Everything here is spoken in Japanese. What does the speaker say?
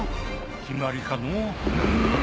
決まりかのう。